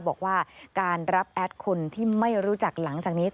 บอกว่าการรับแอดคนที่ไม่รู้จักหลังจากนี้